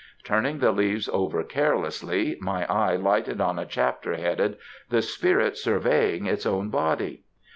Turning the leaves over carelessly, my eye lighted on a chapter headed "The spirit surveying its own body!"